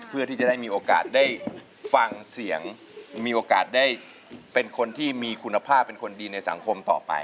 เพื่อที่จะได้มีโอกาสได้ฟังเสียงมีโอกาสได้เป็นคนที่มีคุณภาพเป็นคนดีในสังคมต่อไป